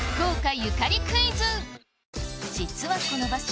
実はこの場所